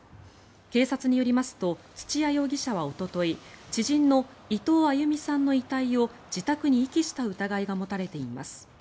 警察によりますと土屋容疑者はおととい知人の伊藤亜佑美さんの遺体を自宅に遺棄した疑いが持たれています。